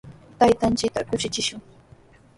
Taytanchikta kushichishun.